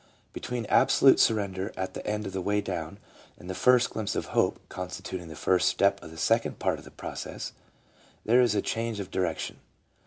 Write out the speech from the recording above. Between absolute surrender at the end of the way down and the first glimpse of hope, constituting the first step of the second part of the process, there is a change of direction.